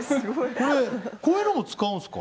これこういうのも使うんすか？